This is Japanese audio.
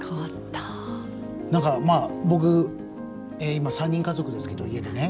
何か僕今３人家族ですけど家でね。